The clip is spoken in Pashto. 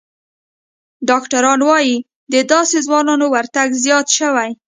ډاکتران وايي، د داسې ځوانانو ورتګ زیات شوی